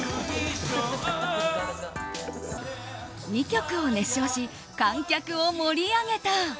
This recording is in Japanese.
２曲を熱唱し、観客を盛り上げた。